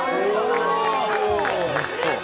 ・おいしそう！